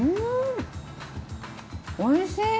おいしい。